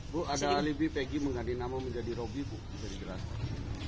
bu ada lebih peggy mengadil nama menjadi robi bu